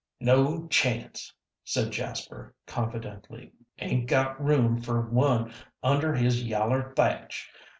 "No chance!" said Jasper, confidently. "'Ain't got room fer one under his yaller thatch.